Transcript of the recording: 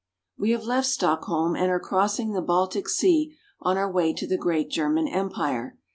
WE have left Stock holm and are crossing the Baltic Sea on our way to the great German Empire.